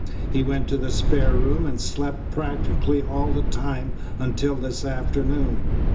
He went to the spare room and slept practically all the time until this afternoon.